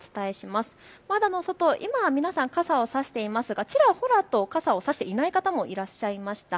まだ外、皆さん傘を差していますがちらほらと傘を差していない方もいらっしゃいました。